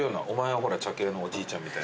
お前はほら茶系のおじいちゃん。